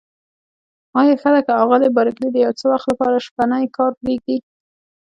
آیا ښه ده که آغلې بارکلي د یو څه وخت لپاره شپنی کار پرېږدي؟